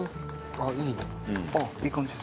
あっいい感じですね。